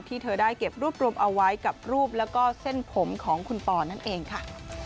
เธอได้เก็บรวบรวมเอาไว้กับรูปแล้วก็เส้นผมของคุณปอนั่นเองค่ะ